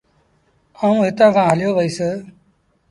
آئوٚݩ هتآݩ کآݩ هليو وهيٚس۔